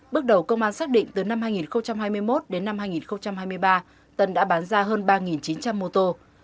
bước đầu công an xác định từ năm hai nghìn hai mươi một đến năm hai nghìn hai mươi ba tân đã bán ra hơn ba chín trăm linh mô tô